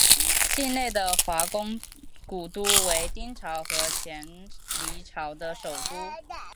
境内的华闾古都为丁朝和前黎朝的首都。